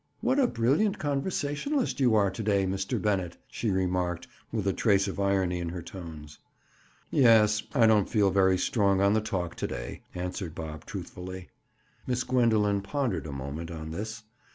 "What a brilliant conversationalist you are to day, Mr. Bennett!" she remarked with a trace of irony in her tones. "Yes; I don't feel very strong on the talk to day," answered Bob truthfully. Miss Gwendoline pondered a moment on this.